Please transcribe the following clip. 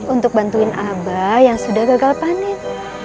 untuk bantuin aba yang sudah gagal panit